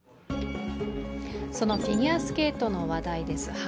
そのフィギュアスケートの話題です。